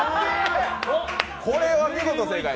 これは見事、正解。